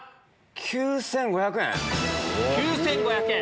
９５００円。